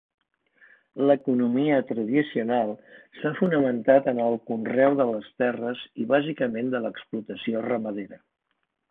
L’economia tradicional s’ha fonamentat en el conreu de les terres i bàsicament de l’explotació ramadera.